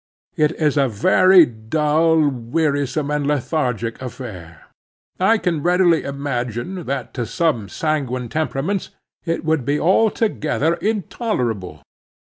It is a very dull, wearisome, and lethargic affair. I can readily imagine that to some sanguine temperaments it would be altogether intolerable.